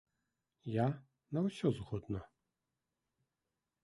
Я на ўсё згодна.